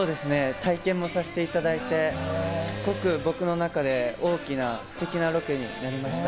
体験もさせていただいて、すっごく僕の中で大きなすてきなロケになりました。